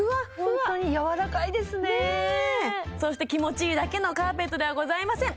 ホントにそして気持ちいいだけのカーペットではございません